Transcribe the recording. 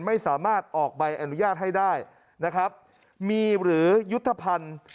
ไม่สามารถออกใบอนุญาตให้ได้นะครับมีหรือยุทธภัณฑ์